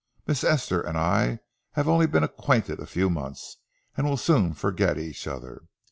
Miss Esther and I have only been acquainted a few months, and will soon forget each other.